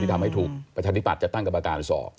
ที่ทำให้ถูกประชาธิปัตย์จะตั้งกับประกาศส่อค